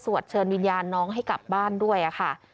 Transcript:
เชิญวิญญาณน้องให้กลับบ้านด้วยค่ะ